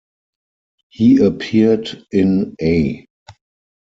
He appeared in A.